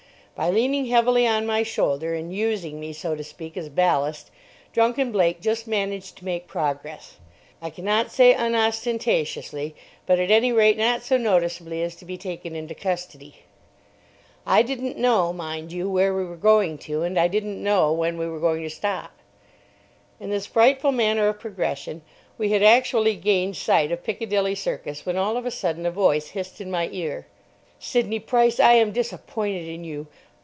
By leaning heavily on my shoulder and using me, so to speak, as ballast, drunken Blake just managed to make progress, I cannot say unostentatiously, but at any rate not so noticeably as to be taken into custody. I didn't know, mind you, where we were going to, and I didn't know when we were going to stop. In this frightful manner of progression we had actually gained sight of Piccadilly Circus when all of a sudden a voice hissed in my ear: "Sidney Price, I am disappointed in you."